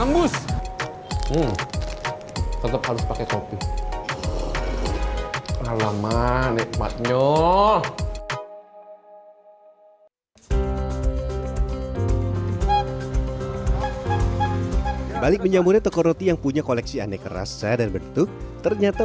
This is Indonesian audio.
balik menyambutnya toko roti yang punya koleksi aneh kerasa dan bentuk ternyata